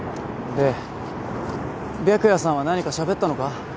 で白夜さんは何かしゃべったのか？